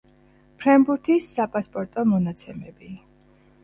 ფრენბურთის „საპასპორტო“ მონაცემები